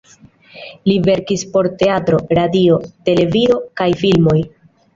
Li verkis por teatro, radio, televido, kaj filmoj.